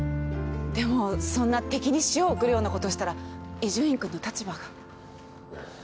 でもそんな敵に塩を送るようなことしたら伊集院君の立場が。